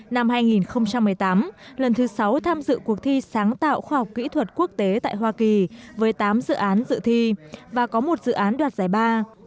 năm hai nghìn một mươi tám lần thứ sáu tham dự cuộc thi sáng tạo khoa học kỹ thuật quốc tế tại hoa kỳ với tám dự án dự thi và có một dự án đoạt giải ba